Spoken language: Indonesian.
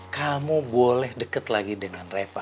kamu boleh dekat lagi dengan reva